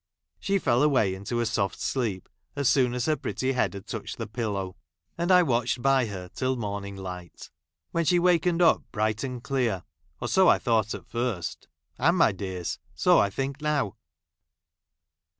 She fell away into a soft sleep as soon as her pretty head had touched the pillow, and I watched by her till morning light ; when she wakened up bright and clear — or so I thought at first — and, my dears, so I think now.